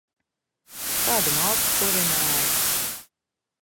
Kādu malku kurināji?